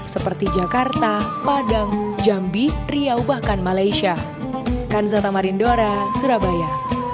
seperti jakarta padang jambi riau bahkan malaysia